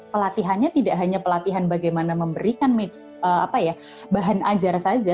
pelatihannya tidak hanya pelatihan bagaimana memberikan bahan ajar saja